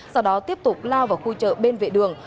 sau đó tiếp tục lao vào khu chợ bên vệ đường